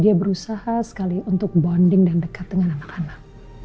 dia berusaha sekali untuk bonding dan dekat dengan anak anak